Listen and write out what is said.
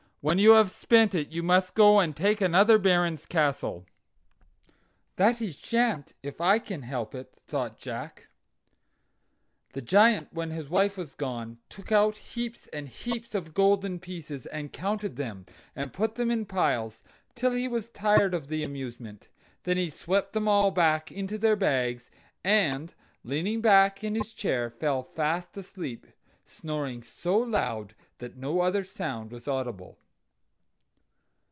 When you have spent it you must go and take another baron's castle." "That he shan't, if I can help it," thought Jack. The Giant, when his wife was gone, took out heaps and heaps of golden pieces, and counted them, and put them in piles, till he was tired of the amusement. Then he swept them all back into their bags, and leaning back in his chair fell fast asleep, snoring so loud that no other sound was audible.